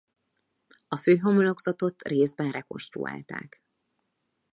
A főhomlokzatot részben rekonstruálták.